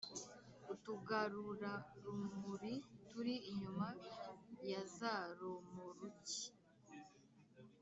Utugarurarumuri turi inyuma ya za romoruki